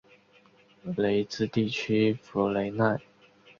雷茨地区弗雷奈。